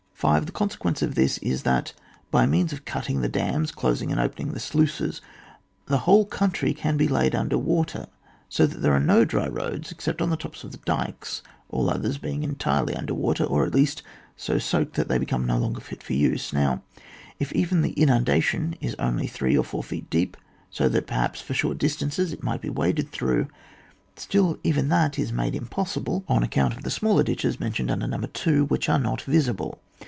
5. The consequence of this is, that by means of cutting the dams, closing and opening the sluices, the whole country can be laid under water, so that there are no dry roads except on the tops of the dykes, all others being either entirely under water or, at least, so soaked that they become no longer fit for use. Now, if oven the inundation is only three or four feet deep, so that, perhaps, for short distances it might be waded through, still even that is made impossible oa 148 ON WAR. [book VI. account of the smaller ditches mentioned under No. 2, which are not visible.